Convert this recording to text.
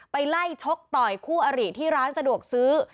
ไปไล่ชกต่อยคู่อริที่ร้านสะดวกซื้อ